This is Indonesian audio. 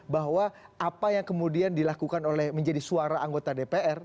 bahwa apa yang kemudian dilakukan oleh menjadi suara anggota dpr